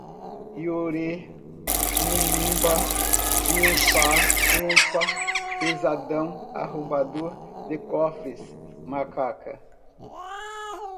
loré, lumumba, lunfa, lunfa pesadão, arrombador de cofres, macaca